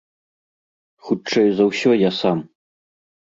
Хутчэй за ўсё я сам.